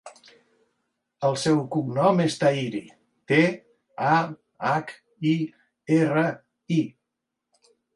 El seu cognom és Tahiri: te, a, hac, i, erra, i.